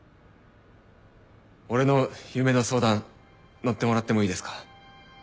俺の夢の相談乗ってもらってもいいですか？